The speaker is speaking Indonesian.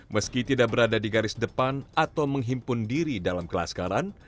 meski tidak berada di garis depan atau menghimpun diri dalam kelas karan